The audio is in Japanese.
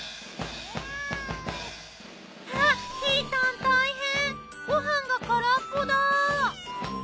あっひーたん大変ごはんが空っぽだ。